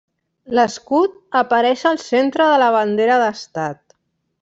L'escut apareix al centre de la bandera d'Estat.